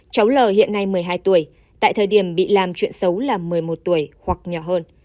cháu l hiện nay một mươi hai tuổi tại thời điểm bị làm chuyện xấu là một mươi một tuổi hoặc nhỏ hơn